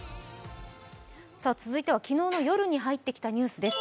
続いては昨日の夜に入ってきたニュースです。